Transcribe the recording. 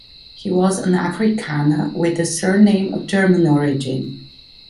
He was an Afrikaner with a surname of German origin.